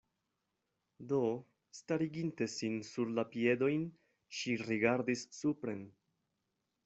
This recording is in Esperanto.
Do, stariginte sin sur la piedojn ŝi rigardis supren.